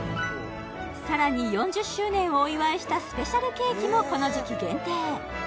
さらに４０周年をお祝いしたスペシャルケーキもこの時期限定